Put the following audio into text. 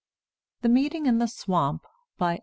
THE MEETING IN THE SWAMP. BY L.